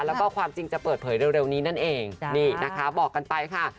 แล้วก็ความจริงจะเปิดเผยเร็วนี้นั่นเองนี่นะคะบอกกันไปค่ะ